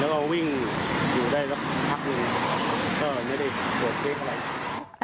แล้วก็วิ่งอยู่ได้รับบาดเก็บไม่ได้โปรดเก็บอะไร